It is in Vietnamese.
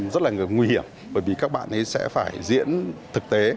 rất là nguy hiểm bởi vì các bạn ấy sẽ phải diễn thực tế